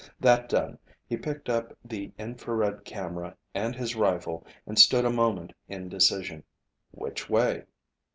That done, he picked up the infrared camera and his rifle and stood a moment in indecision. Which way?